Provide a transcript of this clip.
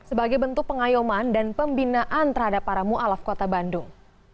sebagai bentuk pengayuman dan pembinaan terhadap para mu'alaf kota bandung